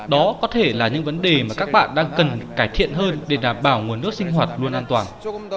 đó có thể là những vấn đề mà các bạn đang cần cải thiện hơn để đảm bảo nguồn nước sinh hoạt luôn an toàn